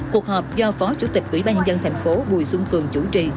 cuộc họp do phó chủ tịch quỹ ba nhân dân tp bùi xuân cường chủ trì